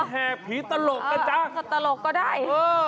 แห่ผีตลกนะจ๊ะตลกก็ได้